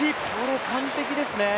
完璧ですね。